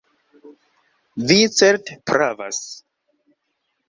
Vi certe pravas!